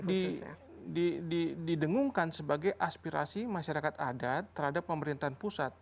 didengungkan sebagai aspirasi masyarakat adat terhadap pemerintahan pusat